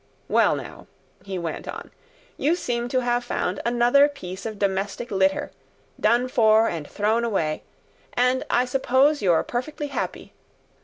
"Well now," he went on, "you seem to have found another piece of domestic litter, done for and thrown away, and I suppose you're perfectly happy.